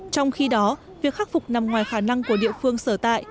trong khi đó việc khắc phục nằm ngoài khả năng của địa phương sở tại